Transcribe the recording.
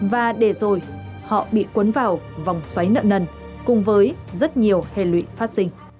và để rồi họ bị cuốn vào vòng xoáy nợ nần cùng với rất nhiều hệ lụy phát sinh